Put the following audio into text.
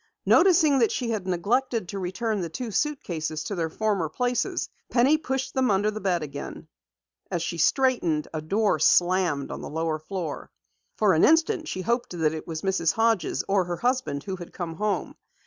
Noticing that she had neglected to return the two suitcases to their former places, Penny pushed them under the bed again. As she straightened, a door slammed on the lower floor. For an instant she hoped that it was Mrs. Hodges or her husband who had come home.